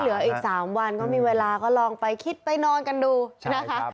เหลืออีก๓วันก็มีเวลาก็ลองไปคิดไปนอนกันดูนะคะ